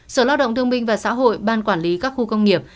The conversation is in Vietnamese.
sở lao động thương minh và xã hội ban quản lý các khu công nghiệp